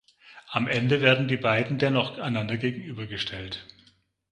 Am Ende werden die beiden dennoch einander gegenübergestellt.